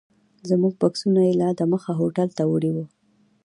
زموږ بکسونه یې لا دمخه هوټل ته وړي وو.